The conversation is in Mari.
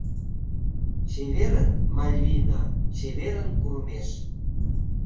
— Чеверын, Мальвина, чеверын курымеш!